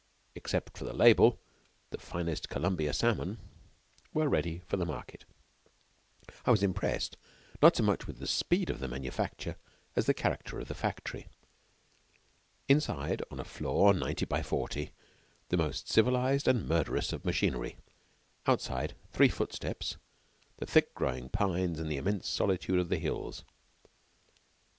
Except for the label, the "Finest Columbia Salmon" was ready for the market. I was impressed not so much with the speed of the manufacture as the character of the factory. Inside, on a floor ninety by forty, the most civilized and murderous of machinery. Outside, three footsteps, the thick growing pines and the immense solitude of the hills.